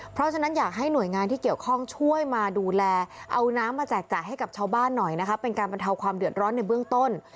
เพราะฉะนั้นอยากให้หน่วยงานที่เกี่ยวข้องช่วยมาดูแลเอาน้ำมาแจกจ่ายให้กับชาวบ้านหน่อยนะคะเป็นการบรรเทาความเดือดร้อนในเบื้องต้น